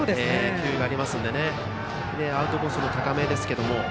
球威がありますのでアウトコースの高めですけども。